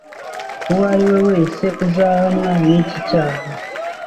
Uwo ariwe wese uzahamwa n’iki cyaha